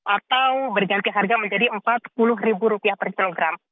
atau berganti harga menjadi rp empat puluh per kilogram